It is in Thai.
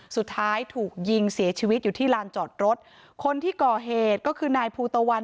สุดท้ายถูกยิงเสียชีวิตอยู่ที่ลานจอดรถคนที่ก่อเหตุก็คือนายภูตะวัน